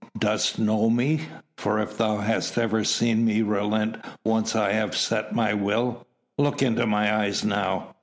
"Dost know me? For if so hast ever seen me relent once I have set my will? Look into my eyes now!